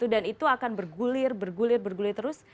dan itu akan bergulir bergulir bergulir terus